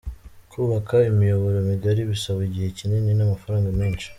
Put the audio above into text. Kubaka imiyoboro migari bisaba igihe kinini n’amafaranga menshi.